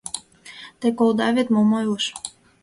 Те колда вет, мом ойлыш?